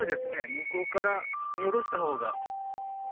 向こうから見下ろした方が。